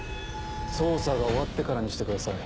捜査が終わってからにしてください。